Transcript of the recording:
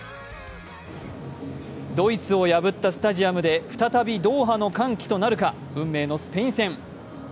ドイツを破ったスタジアムで再びドーハの歓喜となるか、運命のスペイン戦。